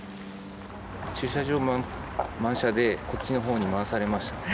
駐車場満車で、こっちのほうに回されました。